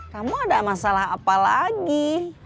kamu ada masalah apa lagi